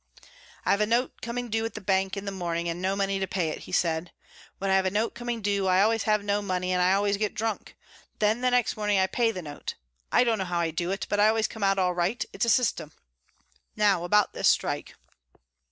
"I've a note coming due at the bank in the morning and no money to pay it," he said. "When I have a note coming due I always have no money and I always get drunk. Then next morning I pay the note. I don't know how I do it, but I always come out all right. It's a system Now about this strike."